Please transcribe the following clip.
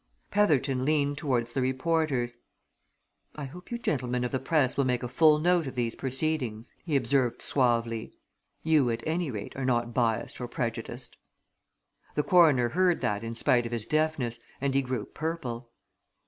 Petherton leaned towards the reporters. "I hope you gentlemen of the press will make a full note of these proceedings," he observed suavely. "You at any rate are not biassed or prejudiced." The coroner heard that in spite of his deafness, and he grew purple.